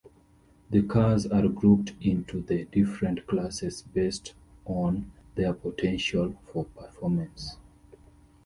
The cars are grouped into the different classes based on their potential for performance.